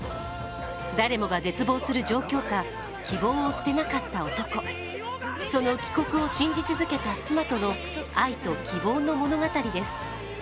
誰もが絶望する状況下、希望を捨てなかった夫、その帰国を信じ続けた妻との愛と希望の物語です。